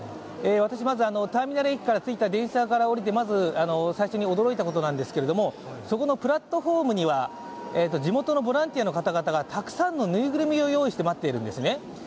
私はまずターミナル駅から着いた電車を降りてまず最初に驚いたことなんですけど、そこのプラットフォームには地元のボランティアの方々がたくさんのぬいぐるみを用意して待っているんですね。